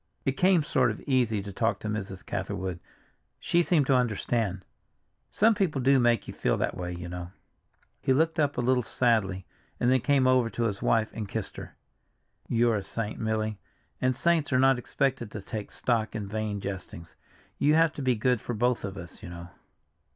It came sort of easy to talk to Mrs. Catherwood—she seemed to understand; some people do make you feel that way, you know." He looked up a little sadly, and then came over to his wife and kissed her. "You're a saint, Milly, and saints are not expected to take stock in vain jestings. You have to be good for both of us, you know."